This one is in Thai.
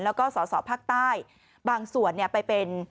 แล้วก็สสภักดิ์ใต้บางส่วนไปเป็น